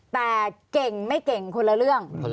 แต่เก่งไม่เก่งคนละเรื่อง